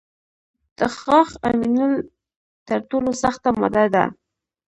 د غاښ امینل تر ټولو سخته ماده ده.